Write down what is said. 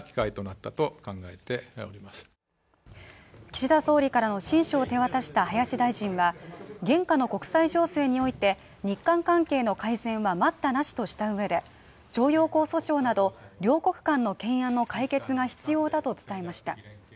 岸田総理からの親書を手渡した林大臣は現下の国際情勢において日韓関係の改善は待ったなしとしたうえで徴用工訴訟など両国間の懸案の解決が必要だと伝えました。